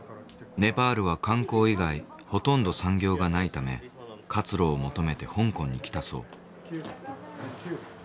ネパールは観光以外ほとんど産業がないため活路を求めて香港に来たそう。